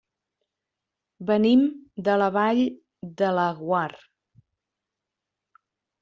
Venim de la Vall de Laguar.